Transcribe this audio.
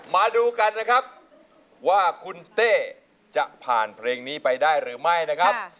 มาดูกันนะครับว่าคุณเต้จะผ่านเพลงนี้ไปได้หรือไม่นะครับ